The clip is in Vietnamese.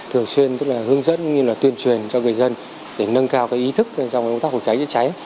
thường xuyên hướng dẫn như là tuyên truyền cho người dân để nâng cao ý thức trong công tác phòng cháy cháy cháy